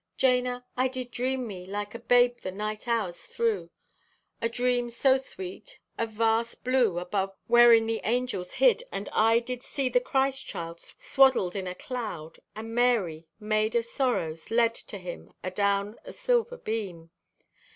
"Jana, I did dream me like a babe the night hours through; a dream so sweet, o' vast blue above wherein the angels hid, and I did see the Christ child swaddled in a cloud; and Mary, maid of sorrows, led to him adown a silver beam.